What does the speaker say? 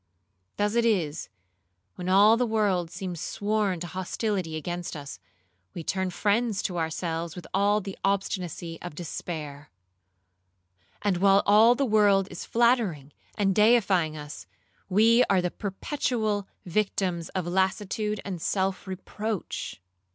Thus it is, when all the world seems sworn to hostility against us, we turn friends to ourselves with all the obstinacy of despair;—and while all the world is flattering and deifying us, we are the perpetual victims of lassitude and self reproach.